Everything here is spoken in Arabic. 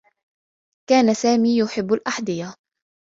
كان سامي يحبّ الأحذية.